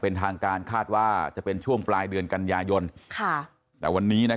เป็นทางการคาดว่าจะเป็นช่วงปลายเดือนกันยายนแต่วันนี้นะ